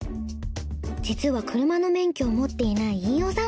実は車の免許を持っていない飯尾さん。